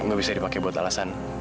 gak bisa dipake buat alasan